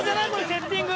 セッティング。